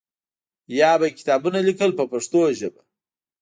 یا به یې کتابونه لیکل په پښتو ژبه.